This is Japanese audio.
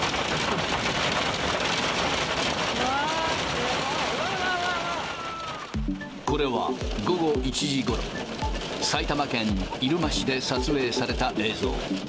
うわー、すごい、これは午後１時ごろ、埼玉県入間市で撮影された映像。